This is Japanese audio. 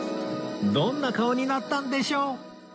どんな顔になったんでしょう？